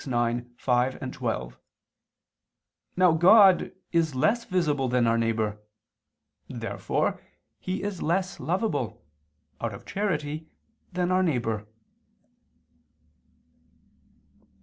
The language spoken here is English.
_ ix, 5, 12. Now God is less visible than our neighbor. Therefore He is less lovable, out of charity, than our neighbor. Obj.